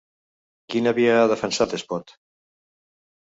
Quina via ha defensat Espot?